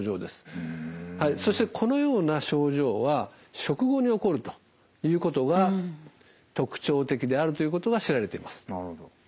はいそしてこのような症状は食後におこるということが特徴的であるということが知られています。